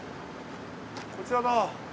こちらだ。